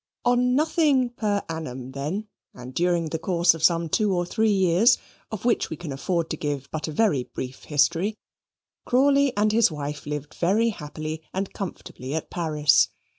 On nothing per annum then, and during a course of some two or three years, of which we can afford to give but a very brief history, Crawley and his wife lived very happily and comfortably at Paris.